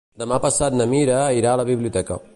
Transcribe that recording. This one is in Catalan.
Demà passat na Mira irà a la biblioteca.